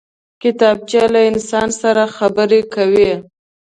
کتابچه له انسان سره خبرې کوي